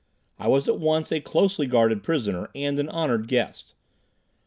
I was at once a closely guarded prisoner and an honored guest.